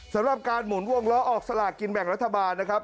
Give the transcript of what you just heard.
สำหรับการหมุนวงล้อออกสลากกินแบ่งรัฐบาลนะครับ